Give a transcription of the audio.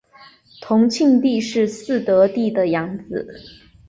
同庆帝是嗣德帝的养子。